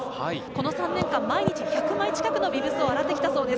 この３年間毎日１００枚近くのビブスを洗ってきたそうです。